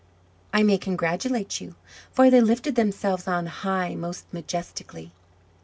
I may congratulate you, for they lifted themselves on high most majestically!"